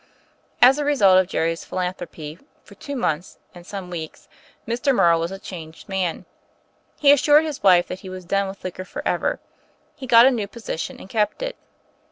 As a result of Jerry's philanthropy, for two months and some weeks Mr. Morrow was a changed man. He assured his wife that he was done with liquor forever. He got a new position, and kept it.